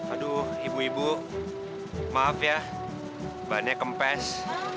aduh ibu ibu maaf ya bahannya kempes